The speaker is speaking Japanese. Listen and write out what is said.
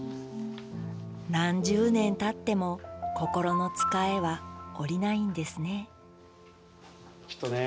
何十年たっても心のつかえは下りないんですねきっとね。